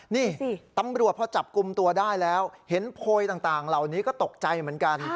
นี่ตำรวจพอจับกลุ่มตัวได้แล้วเห็นโพยต่างเหล่านี้ก็ตกใจเหมือนกัน